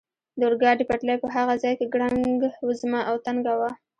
د اورګاډي پټلۍ په هغه ځای کې ګړنګ وزمه او تنګه وه.